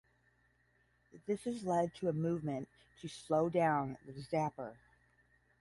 This has led to a movement to slow down the zapper.